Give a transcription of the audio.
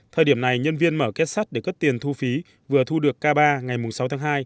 thời điểm này nhân viên mở kết sắt để cất tiền thu phí vừa thu được k ba ngày sáu tháng hai